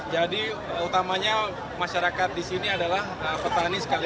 jadi utamanya masyarakat di sini adalah petani sekalian